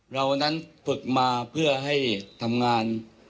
เรานั้นฝึกมาเพื่อให้ทำงาน